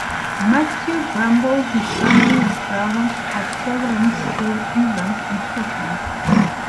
Matthew Bramble, his family and servants are traveling through England and Scotland.